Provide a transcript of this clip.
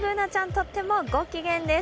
とってもご機嫌です。